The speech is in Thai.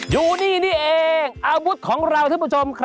อยู่นี้นี่เองอาวุธของเราทุกผู้ชมครับนี่คือ